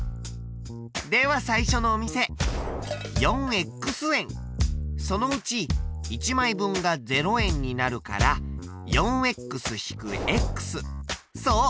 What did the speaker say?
では最初のお店４円そのうち１枚分が０円になるから４−そう！